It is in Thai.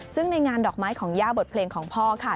ซึ่งในงานดอกไม้ของย่าบทเพลงของพ่อค่ะ